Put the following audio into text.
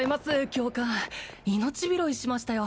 教官命拾いしましたよ